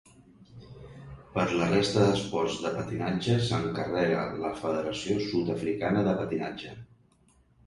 Per la resta d'esports de patinatge s'encarrega la Federació Sud-africana de Patinatge.